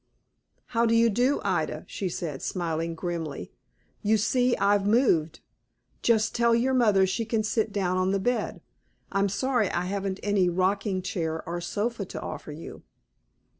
"How do you do, Ida?" she said, smiling grimly; "you see I've moved. Just tell your mother she can sit down on the bed. I'm sorry I haven't any rocking chair or sofa to offer you."